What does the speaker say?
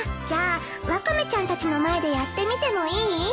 じゃあワカメちゃんたちの前でやってみてもいい？